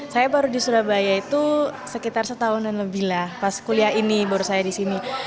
saya baru di surabaya itu sekitar setahunan lebih lah pas kuliah ini baru saya di sini